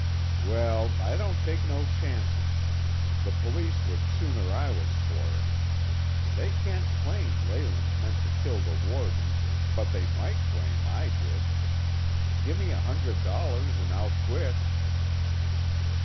"Well, I don't take no chances; the police would sooner I was for it. They can't claim Leyland meant to kill the warden, but they might claim I did. Gimme a hundred dollars and I'll quit."